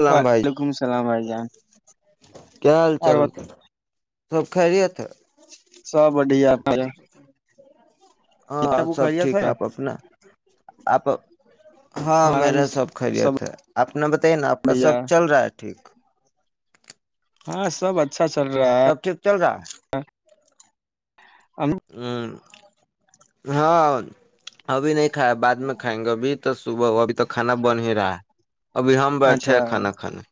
سلام بھائی وعلیکم السلام بھائی جان [unintelligible] کیا حال چال اور [unintelligible] سب خیری تھا [unintelligible] سب بڑھیا [unintelligible] ہاں ابو سب خیریت ٹھیک ہے آپ اپنا آپ ہاں ہمارا میر بھی نےا سب خیریت ہے [unintelligible] اپنا ب [unintelligible] نا آپ کا بڑھیا سب چل رہا ہے ٹھیک [unintelligible] ہاں سب اچھا چل رہا ہے سب ٹھیک ہم- ہ [unintelligible] ہاں ابھی نہیں [unintelligible] کھ بع میں کھائیں گے اب تو [unintelligible] ب ابھی تک [unintelligible] کھانا بن ہی رہا ہے ابھی ہم بیٹھے ہیں کھانا کھانے [unintelligible]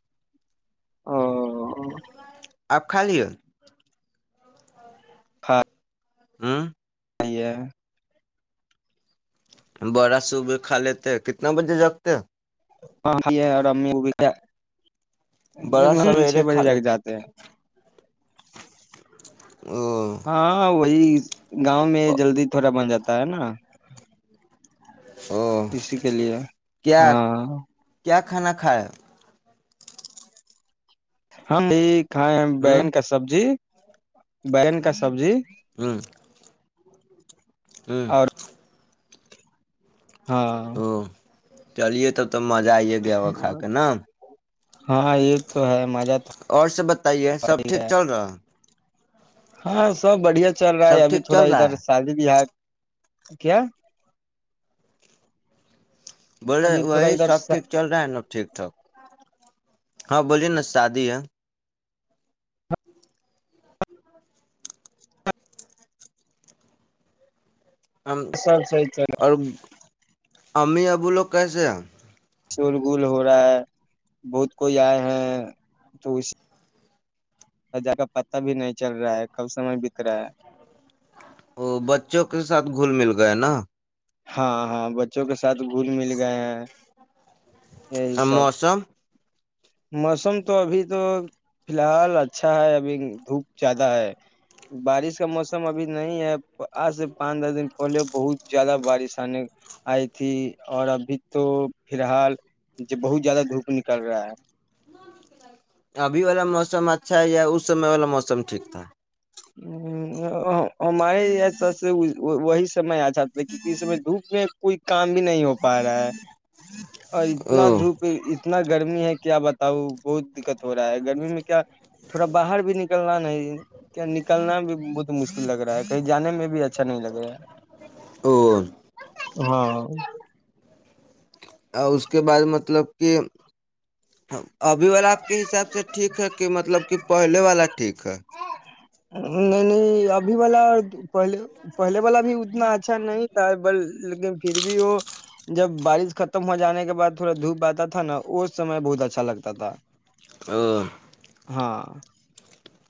ا [unintelligible] آپ خالی ہے [unintelligible] ہاں [unintelligible] ہوں [unintelligible] یہ ہے [unintelligible] بڑا صوب کھا لیتے کتنا بجے جگتے ہاں بھی ہے اور امی وہ بھی کیا بڑا ہم چھ سویرے بجے کھا لگ لیتے جاتے ہیں او ہاں وہی [unintelligible] گاؤں میں او جلدی تھوڑا بن جاتا تا ہے نا [unintelligible] او، اسی کے لیے کیا ہاں [unintelligible] کیا کھانا کھایا [unintelligible] ہاں [unintelligible] کھائے ہیں ہ بیگن کا سبزی [unintelligible] بیگن کا سبزی [unintelligible] ہوں [unintelligible] ہوں [unintelligible] اور ہاں [unintelligible] چلیے تب [unintelligible] تو مزہ آئی گیا وا کھا کے نا [unintelligible] ہاں یہ تو ہے مزہ تو اور سب بتائیے سب ٹھیک چل رہا ہے [unintelligible] ہاں سب بڑھیا [unintelligible] چل رہا سب ہے ابھی ٹھیک تھوڑا چل ادھر رہا ہے شادی بہ [unintelligible] کیا [unintelligible] بولے ابھی تھوڑا وہی ادھر سب ٹھیک چل رہا ہے نا ٹھیک ٹھاک ہاں بولیے نا شادی ہے ہم صحیح چل رہا ہے. اور [unintelligible] امی اپ بولو کہسے شول گول ہو رہا ہے بہت کوئی آئے ہیں تو اس جا کر پتہ بھی نہیں چل رہا ہے کب سمے بیت رہا ہے [unintelligible] بچوں کے ساتھ گھل مل گئے نا [unintelligible] ہاں ہاں بچوں کے ساتھ گھل مل گئے ہیں [unintelligible] یہی سب موسم [unintelligible] موسم تو ابھی تو فی الحال اچھا ہے ابھی دھوپ زیادہ ہے بارش کا موسم ابھی نہیں ہے آج سے پانچ دس دن پہلے بہت زیادہ بارش آنے آئی تھی اور ابھی تو فی الحال بہت زیادہ دھوپ نکل رہا ہے [unintelligible] ابھی والا موسم اچھا ہے یا اس سمے والا موسم ٹھیک تھا ہ [unintelligible] ہمارے یہ سب سے [unintelligible] وہ وہی [unintelligible] سم میں آ جاتا ہے کیونکہ سمے دھوپ میں [unintelligible] کوئی [unintelligible] کام بھی نہیں ہو پا رہا ہے [unintelligible] اور او اتنا دھوپ اتنا گرمی ہے کیا بتا اب بہت دقت ہو رہا ہے گرمی میں کیا تھوڑا باہر بھی نکلنا نہیں [unintelligible] کیا نکلنا بھی بہت مشکل لگ رہا ہے کہیں جانے میں بھی اچھا نہیں لگ رہا ہے او ہاں [unintelligible] اور اس کے بعد مطلب [unintelligible] کہ ہم [unintelligible] ابھی والا آپ کے حساب سے ٹھیک ہے کہ مطلب کہ پہلے والا ٹھیک ہے [unintelligible] نہیں نہیں ابھی والا پہلے پہلے والا بھی اتنا اچھا نہیں تھا لیکن پھر بھی وہ جب بارش ختم ہو جانے کے بعد تھوڑا دھوپ آتا تھا نا اس سمے بہت اچھا لگتا تھا ا [unintelligible] ہاں [unintelligible]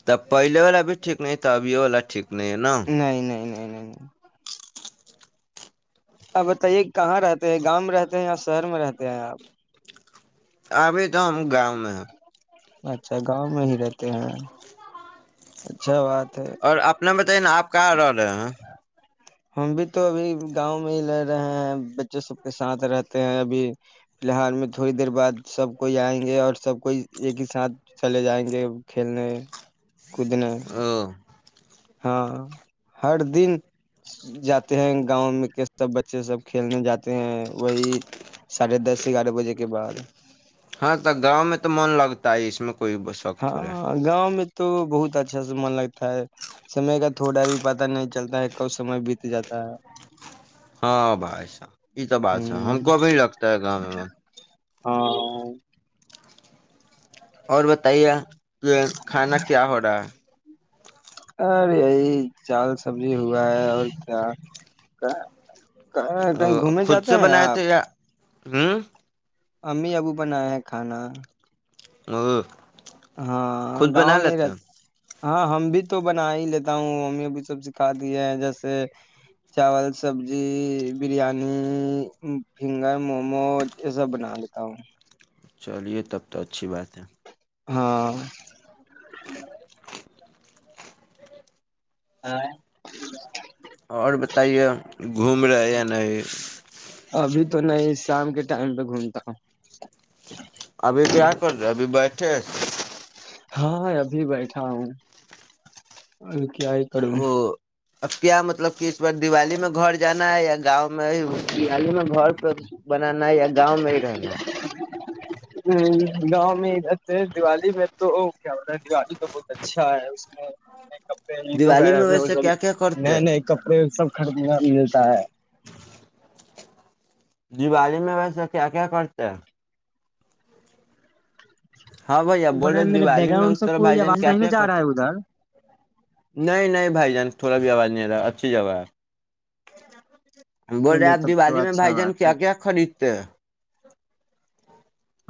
تب پہلے والا بھی ٹیک نہیں ت ابھیو والا ٹیک نہیں نہیں نہیں نہیں [unintelligible] ہاں [unintelligible] آپ بتائیے کہاں رہتے ہیں گاؤں میں رہتے ہیں یا شہر میں رہتے ہیں آپ ابھی تو ہم گاؤں میں اچھا گاؤں میں ہی رہتے ہیں اچھا بات [unintelligible] اور اپنا بتائیے نا آپ کہاں رہ رہے ہیں ہم بھی تو ابھی گاؤں میں ہی ل رہے ہیں بچے سب کے ساتھ رہتے ہیں ابھی فی الحال میں تھوڑی دیر بعد سب کوئی آئیں گے اور سب کوئی ایک ہی ساتھ چلے جائیں گے کھیلنے کودنا [unintelligible] او ہاں ہر دن جاتے ہیں گاؤں میں کے سب بچے سب کھیلنے جاتے ہیں وہی ساھے دس گیارہ بجے کے بعد ہاں تو گاؤں میں تو من لگتا ہے اس میں کوئی شک تھوڑا ہے۔ ہاں گاؤں میں [unintelligible] تو بہت اچھا س من لگتا ہے سمے کا تھوڑا بھی پتا نہیں چلتا ہے کب سمے بیت جاتا ہے [unintelligible] ہاں بھائی صاحب یہ تو بات ہے ہم ہ کوبھی لگتا ہے گا [unintelligible] ہاں [unintelligible] اور بتائیے [unintelligible] کھانا کیا ہو رہا ہے [unintelligible] ار یہی چال سبزی ہوا ہے اور کیا کہیں گھومنے خود جاتے سے ہیں بنائے آپ تھے یا [unintelligible] ہوں [unintelligible] امی ابو بنایا ہے کھانا وہ [unintelligible] ہاں گاؤں میں رہ ہاں ہم بھی تو بنا ہی لیتا ہوں ممی بھی سب سکھا دی ہے جیسے چاول سبزی بریانی فنگر مومو یہ سب بنا لیتا ہوں چلیے تب تو اچھی بات ہے [unintelligible] ہاں [unintelligible] ہ [unintelligible] اور بتائیے گھوم رہے یا نہیں ابھی تو نہیں شام کے ٹائم پہ گھومتا ہوں ابھی کیا کر رہے ابھی بیٹھے ہاں ابھی بیٹھا ہوں کیائی کرو او [unintelligible] اب کیا مطلب کہ اس بار دیوالی میں گھر جانا ہے یا گاؤں میں ہی بیاالی میں گھر پہ بنانا یا گاؤں میں ہی رہنا ہ گاؤں میں ادھر سے دیوالی میں تو کیا ہوتا ہے دیوالی تو بہت اچھا ہے اس میں [unintelligible] دیوالی کپڑےٹغیرہ میں وہ ویسے سب کیا کیا کرتے نہیں نہیں کپڑے سب [unintelligible] خر ملتا ہے [unintelligible] دیوالی میں ویسے کیا کیا کرتے ہیں ہاں بھیا بولے میرے بیک دیوالی میں گراؤنڈ اس سے طرح کوئی بھائی جان آواز کیا نہیں ن کیا جا رہا کرتے ہے ادھر نہیں نہیں بھائی جان تھوڑا بھی آواز نہیں آ رہا اچھی جگہ ہے بول رہے ہیں چلیے آپ تب تو دیوالی میں بھائی اچھا جان بات ہے کیا کیا خریدتے ہیں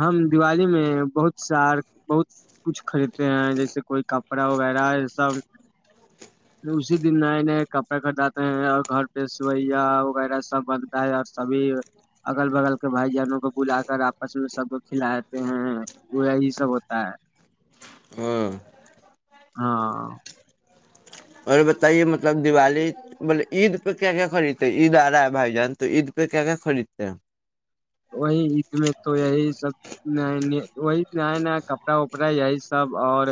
ہم دیوالی میں بہت سار بہت کچھ خریدتے ہیں جیسے کوئی کپڑا وغیرہ سب اسی دن نئے نئے کپڑے خریداتے ہیں اور گھر پہ سویا وغیرہ سب بنتا ہے اور سبھی اگل بگل کے بھائی جانوں کو بلا کر آپس میں سب کو کھلاتے ہیں وہ یہی سب ہوتا ہے [unintelligible] ہ [unintelligible] ہاں [unintelligible] اور بتائیے مطلب دیوالی بولے عید پہ کیا کیا خریدتے عید آ رہا ہے بھائی جان تو عید پہ کیا کیا خریدتے ہیں وہی عید میں تو یہی سب وہی [unintelligible] نیا نیا کپڑا وپڑا یہی سب اور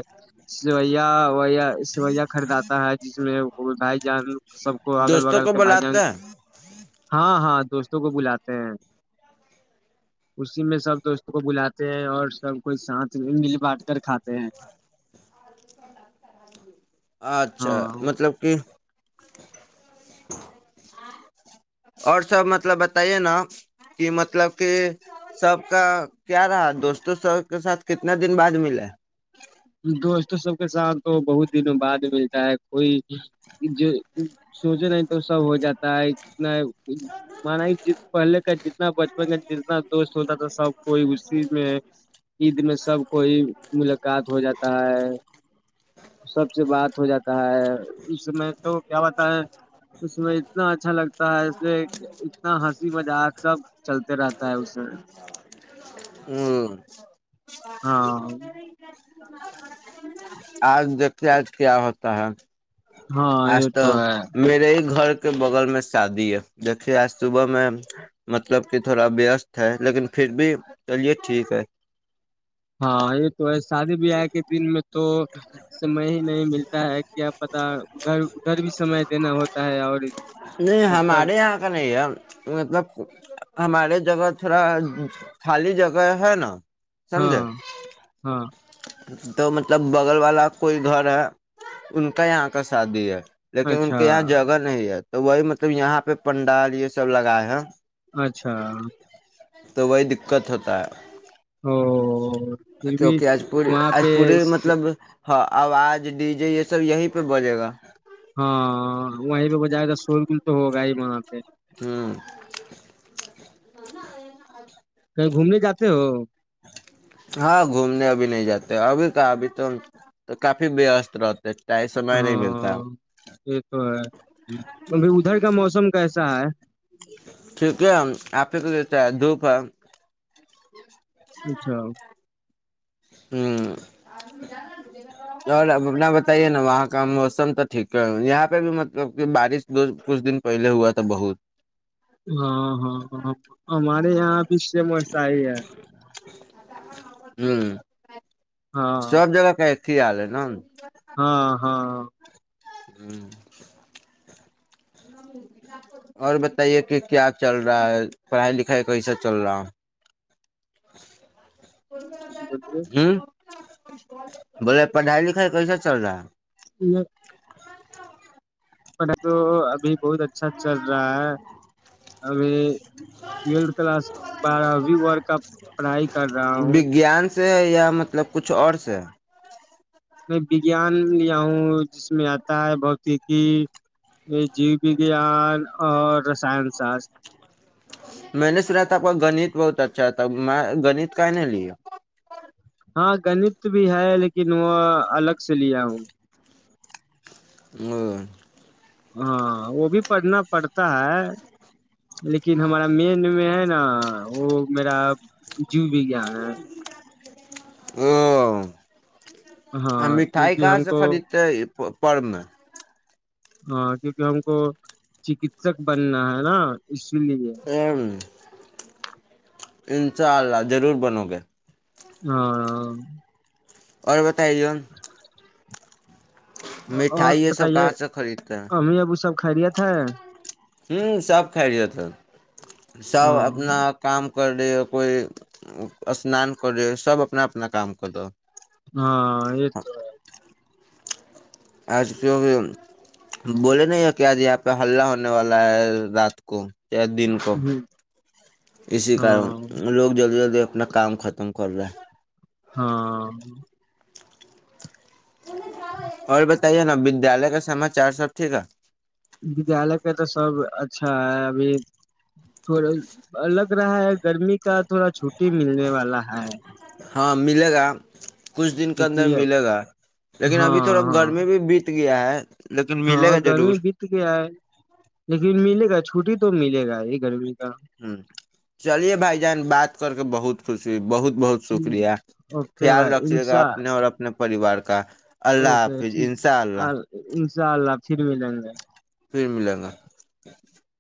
سویا [unintelligible] و خریدات [unintelligible] تا ہے جس میں وہ بھائی جان [unintelligible] سب کو اگل دوستوں بغل کو کے بھائی جان بلاتے ہیں ہاں ہاں دوستوں کو بلاتے ہیں اسی میں سب دوستوں کو بلاتے ہیں اور سب کوئی ساتھ مل بانٹ کر کھاتے ہیں اچھا ہاں مطلب کہ [unintelligible] [inaudible] اور سب مطلب بتائیے نا کہ مطلب کہ سب کا کیا رہا دوستوں سب کے ساتھ کتنا دن بعد ملے دوستوں سب کے ساتھ تو بہت دنوں بعد ملتا ہے کوئی جو سوچے نہیں تو سب ہو جاتا ہے اتنا مانا پہلے کا جتنا بچپن کا جتنا دوست ہوتا تھا سب کوئی اسی میں عید میں سب کوئی ملاقات ہو جاتا ہے سب سے بات ہو جاتا ہے اس میں تو کیا بتا ہے اس میں اتنا اچھا لگتا ہے اس اتنا ہنسی مذاق سب چلتے رہتا ہے اس میں ہ [unintelligible] ہاں [unintelligible] آج دیکھ کے آج کیا ہوتا ہے [unintelligible] ہاں یہ آج تو ہے میرے ہی گھر کے بغل میں [unintelligible] شادی ہے دیکھیے آج صبح میں مطلب کہ تھوڑا وست ہے لیکن پھر بھی چلیے ٹھیک ہے [unintelligible] ہاں یہ تو ہے شادی بیاہ کے دن میں تو ج [unintelligible] سمئے ہی نہیں ملتا ہے کیا پتا ادھر ادھر بھی سمے دینا ہوتا ہے اور نہیں سب ت ہمارے یہاں کا نہیں ہے مطلب ہمارے جگہ تھوڑا خالی جگہ ہے نا [unintelligible] ہاں سمجھے ہاں [unintelligible] تو مطلب بغل والا کوئی گھر ہے ان کاا یہاں کا شادی ہے لیکن ان اچھا کے یہاں جگہ نہیں ہے تو وہی مطلب یہاں پہ پنڈال یہ سب لگائے ہے [unintelligible] اچھا [unintelligible] تو وہی دقت ہوتا ہے [unintelligible] ہ [unintelligible] کیونکہ اج پوری آج پورے س- مطلب ہاں آواز ڈی جے یہ سب یہیں پہ بجے گا ہاں وہیں پہ وہ جائے گا شورگل تو ہوگا ہی وہاں پہ ہوں [unintelligible] کہیں گھومنے جاتے ہو ہاں گھومنے ابھی نہیں جاتے ابھی کا ابھی تو کافی وست رہتے ٹائم سمے نہیں ملتا ہاں یہ تو ہے اھی ادھر کا موسم کیسا ہے [unintelligible] فاں [unintelligible] اچھا [unintelligible] ہوں اور ا اپنا بتائیے نا وہاں کا موسم تو ٹھیک ہے یہاں پہ بھی مطلب کہ بارش دو کچھ دن پہلے ہوا تھا بہت [unintelligible] ہاں ہاں ہاں ہمارے یہاں بھی شم وسا ہی ہے ہوں [unintelligible] ہاں سب جگہ کا [unintelligible] ک حال ہے نا [unintelligible] ہاں ہاں [unintelligible] ہوں [unintelligible] اور بتائیے کہ کیا چل رہا ہے پڑھائی لکھائی کیسا چل رہا ہے [unintelligible] بولیے ہوں بولے پڑھائی لکھائی کیسا چل رہا ہے م [unintelligible] [unintelligible] پ تو ابھی بہت اچھا چل رہا ہے اب ٹویلتھ کلاس بارہویں ور کا پڑھائی کر رہا ہے ہوں [unintelligible] وگیان سے یا مطلب کچھ اور سے [unintelligible] میں وگیان لیا ہوں جس میں آتا ہے بھوتیکی جیو وگان اور رسان شاستر میں نے سنا تھا گنیت بہت اچھا تھا میں گنیت کہ نے لیا ہاں گنت بھی ہے لیکن وہ الگ سے لیا ہوں [unintelligible] نہیں [unintelligible] ہاں وہ بھی پڑھنا پڑتا ہے لیکن ہمارا مین میں ہے نا وہ میرا جیو وگان ہے ا [unintelligible] ہاں مٹھائی کیونکہ کا ہم س کو خرری [unintelligible] پر میں [unintelligible] ہاں کیونکہ ہم کو چکسک بننا ہے نا اس [unintelligible] ام [unintelligible] انشاء اللہ ضرور بنو گے ہاں [unintelligible] اور ب [unintelligible] تلیون [unintelligible] اور مٹھائی سب بتائیے کہاں سے خریدتے ہے امی ابو سب خیریت ہے ہ سب خری جتا سب ہاں اپنا کام [unintelligible] کرے کوئی اسنان کر دے سب اپنا اپنا کام کر دو [unintelligible] ہاں یہ تو [unintelligible] ا کیکہ بولے نہیں کہ آج یہاں پہ ہلہ ہونے والا ہے رات کو چ دن کو ہے اسی کارن ہاں لوگ جلد جلد [unintelligible] اپنا کام ختم کر رہا ہے [unintelligible] ہاں [unintelligible] اور بتائیے نا ودیالیہ کا سماچار سب ٹھیک ہے [unintelligible] ودیالیہ کا تو سب اچھا ہے ابھی تھوڑا الگ رہا ہے گرمی کا تھوڑا چھٹی ملنے والا ہے [unintelligible] ہاں ملے گا [unintelligible] کچھ دن کے اندر کیونکہ ملے گا لیکن ابھی ہاں تھوڑا ہاں گرمی بھی بیت [unintelligible] گیا ہے [unintelligible] ہاں ملے گا ضرور گرمی بیت گ ہے لیکن ملے چھٹی تو ملے گا یہ گھرمی [unintelligible] ہ چلیے بھائی جان بات کر [unintelligible] بہت خوشی بہت [unintelligible] بہت ٹھیک شکریہ اوکے خیال بھائی رکھیے گا انشاء اپنے اور اپنے [unintelligible] پریوار کا [unintelligible] اللہ حافظ انشاء اللہ چار لاک [unintelligible] سر و لنگا پھر ملیں گا [unintelligible]